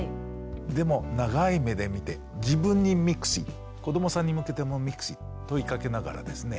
でも長い目で見て自分に「Ｍｉｋｓｉ」子どもさんに向けても「Ｍｉｋｓｉ」問いかけながらですね